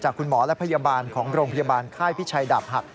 คุณหมอและพยาบาลของโรงพยาบาลค่ายพิชัยดาบหัก